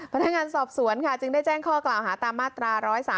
พนักงานสอบสวนค่ะจึงได้แจ้งข้อกล่าวหาตามมาตรา๑๓